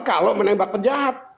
kalau menembak pejahat